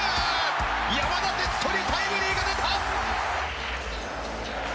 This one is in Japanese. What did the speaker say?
山田哲人にタイムリーが出た！